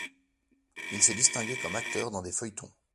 Il s’est distingué comme acteur dans des feuilletons.